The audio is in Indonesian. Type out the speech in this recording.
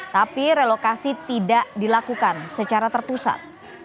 tapi relokasi tidak dilakukan secara terpusat